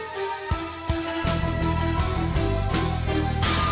ก็ไม่น่าจะดังกึ่งนะ